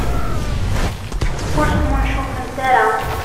Ur smuncufemt ara.